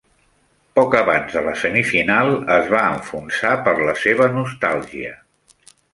Poc abans de la semifinal, es va enfonsar per la seva nostàlgia.